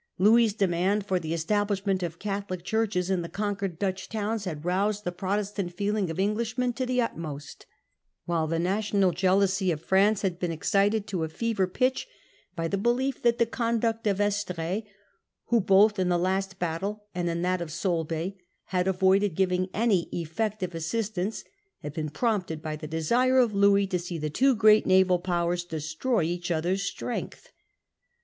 Louis's demand for the establishment of Catholic churches in the conquered Dutch towns had roused the Protestant feeling of English men to the utmost ; while the national jealousy of F ranee had been excited to fever pitch by the belief that the con duct of Estr^es, who both in the last battle and in that of Solebay had avoided giving any effective assistance, had been prompted by the desire of Louis to see the tw6 great naval powers destroy each other's strength.